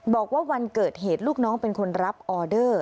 บอกว่าวันเกิดเหตุลูกน้องเป็นคนรับออเดอร์